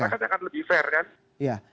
masyarakat akan lebih fair kan